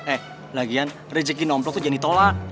eh lagian rezeki nomplok tuh jadi tolak